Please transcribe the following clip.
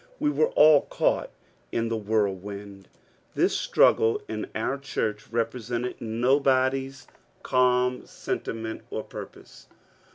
We were all caught in the whirl wind. Thb struggle in our church represented nobody's calm sentiment or purpose.